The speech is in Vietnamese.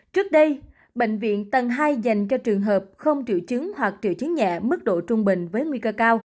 trước đây bệnh viện tầng hai dành cho trường hợp không triệu chứng hoặc triệu chứng nhẹ mức độ trung bình với nguy cơ cao